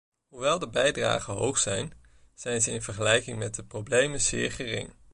Hoewel de bedragen hoog zijn, zijn ze in vergelijking met de problemen zeer gering.